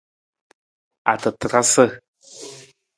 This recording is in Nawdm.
Atatarasa.